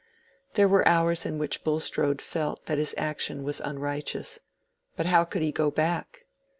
There were hours in which Bulstrode felt that his action was unrighteous; but how could he go back?